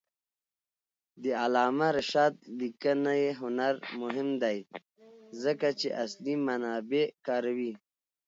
د علامه رشاد لیکنی هنر مهم دی ځکه چې اصلي منابع کاروي.